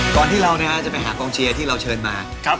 ที่เราจะไปหากองเชียร์ที่เราเชิญมา